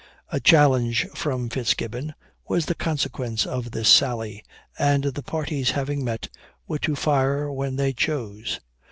A challenge from Fitzgibbon was the consequence of this sally; and the parties having met, were to fire when they chose.